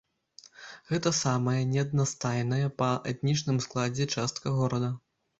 Гэта самая неаднастайная па этнічным складзе частка горада.